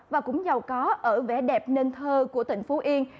và cũng giàu có ở vẻ đẹp nên thơ của tỉnh phú yên